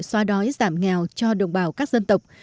xóa đói giảm nghèo cho đồng bào các dân tộc